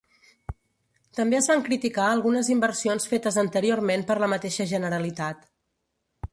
També es van criticar algunes inversions fetes anteriorment per la mateixa Generalitat.